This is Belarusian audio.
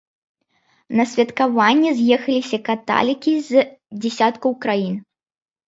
На святкаванне з'ехаліся каталікі з дзесяткаў краін.